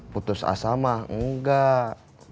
putus asa mah enggak